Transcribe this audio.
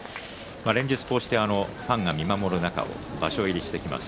連日、こうしてファンが見守る中を場所入りしてきます。